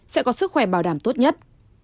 sẽ có sức khỏe bảo đảm tốt nhất